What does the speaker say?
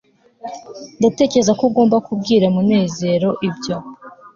ndatekereza ko ugomba kubwira munezero ibyo